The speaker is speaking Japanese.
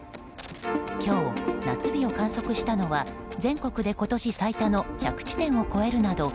今日、夏日を観測したのは全国で今年最多の１００地点を超えるなど